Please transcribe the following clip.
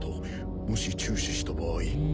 「もし中止した場合」。